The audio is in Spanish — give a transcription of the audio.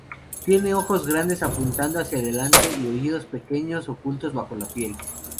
Tiene ojos grandes apuntando hacia adelante y oídos pequeños ocultos bajo la piel.